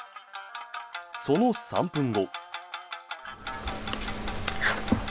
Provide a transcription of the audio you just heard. その３分後。